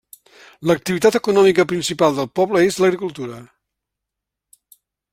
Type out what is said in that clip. L'activitat econòmica principal del poble és l'agricultura.